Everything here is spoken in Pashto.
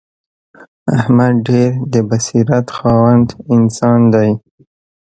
احمد ډېر د بصیرت خاوند انسان دی.